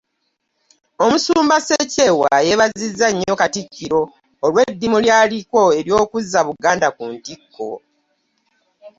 Omusumba Ssekyewa yeebazizza nnyo Katikkiro olw'eddimu lyaliko ery'okuzza Buganda ku ntikko